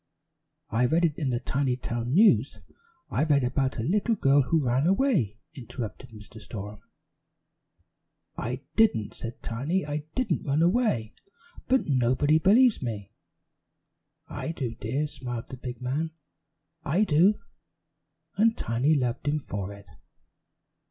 "I read it in the Tinytown News. I read about a little girl who ran away," interrupted Mr. Storem. "I didn't," said Tiny. "I didn't run away, but nobody believes me." "I do, dear," smiled the big man. "I do!" and Tiny loved him for it.